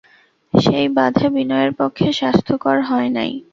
সেই বাধা বিনয়ের পক্ষে স্বাস্থ্যকর হয় নাই।